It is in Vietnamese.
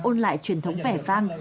ôn lại truyền thống vẻ vang